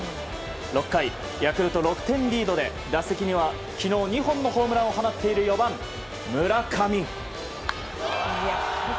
６回、ヤクルト６点リードで打席には昨日２本のホームランを放っている４番、村上。